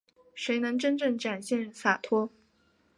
谁能真正展现洒脱